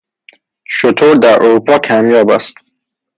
شتر در اروپا کمیاب است.